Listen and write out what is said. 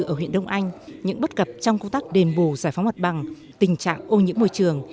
ở huyện đông anh những bất cập trong công tác đền bù giải phóng mặt bằng tình trạng ô nhiễm môi trường